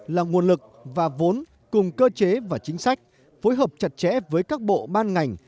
là nguồn lực và vốn cùng cơ chế và chính sách phối hợp chặt chẽ với các bộ ban ngành